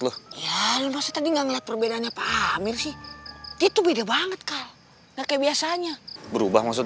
lu tadi enggak perbedaannya pak amir sih itu beda banget kayak biasanya berubah maksud